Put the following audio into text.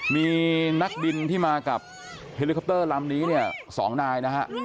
มีนักบินที่มากับเฮลิคอปเตอร์ลำนี้สองนายนะครับ